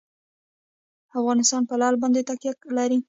افغانستان په لعل باندې تکیه لري.